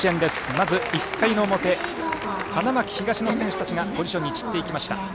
まず１回の表花巻東の選手たちがポジションに散っていきました。